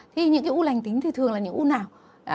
thì những cái u lành tính thì thường là những u nào